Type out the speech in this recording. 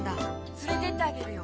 つれてってあげるよ。